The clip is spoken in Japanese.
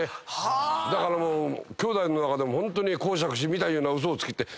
だからもうきょうだいの中でもホントに講釈師見たような嘘をつきって。